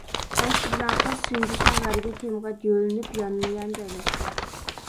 تاشچى بىلەن قىز سۈڭگۈچنىڭ غەربىي تېمىغا يۆلىنىپ يانمۇيان جايلاشتى.